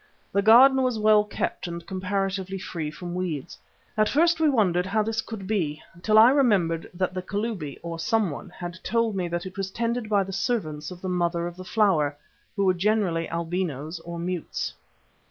The garden was well kept and comparatively free from weeds. At first we wondered how this could be, till I remembered that the Kalubi, or someone, had told me that it was tended by the servants of the Mother of the Flower, who were generally albinos or mutes.